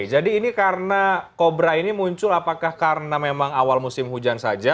jadi ini karena kobra ini muncul apakah karena memang awal musim hujan saja